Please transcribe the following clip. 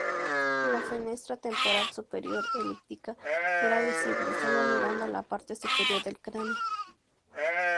La fenestra temporal superior elíptica era visible solo mirando la parte superior del cráneo.